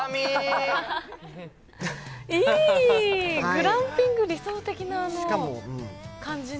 グランピング、理想的な感じね。